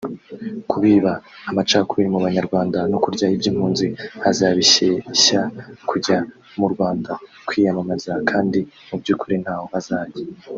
kubiba amacakubiri mu banyarwanda no kurya iby’impunzi azibeshyeshya kujya mu Rwanda kwiyamamaza kandi mubyukuri ntaho azajya